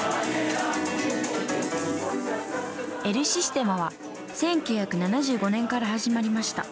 エル・システマは１９７５年から始まりました。